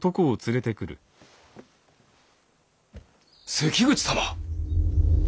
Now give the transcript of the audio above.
関口様！